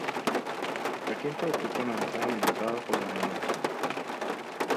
La quinta ocupa una manzana limitada por la Av.